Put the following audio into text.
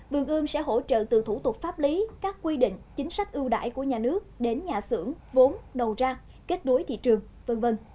vườn ươm sẽ hỗ trợ từ thủ tục pháp lý các quy định chính sách ưu đãi của nhà nước đến nhà xưởng vốn đầu ra kết đối thị trường v v